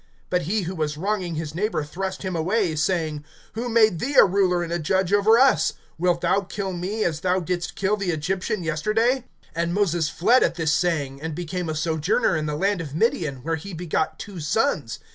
(27)But he who was wronging his neighbor thrust him away, saying: Who made thee a ruler and a judge over us? (28)Wilt thou kill me, as thou didst kill the Egyptian yesterday? (29)And Moses fled at this saying, and became a sojourner in the land of Midian, where he begot two sons.